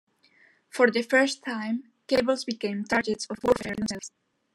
For the first time, cables became targets of warfare in themselves.